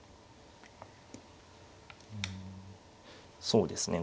そうですね。